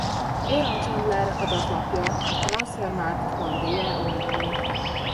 Aaron Chandler adatlapja a transfermarkt.de oldalon